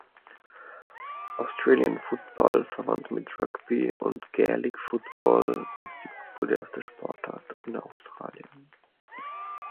Australian Football, verwandt mit Rugby und Gaelic Football, ist die populärste Sportart in Australien.